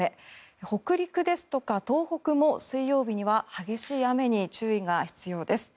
北陸ですとか東北も水曜日には激しい雨に注意が必要です。